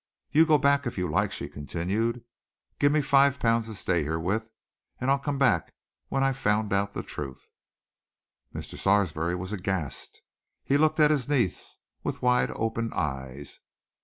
You go back, if you like," she continued. "Give me five pounds to stay here with, and I'll come back when I've found out the truth." Mr. Sarsby was aghast. He looked at his niece with wide open eyes.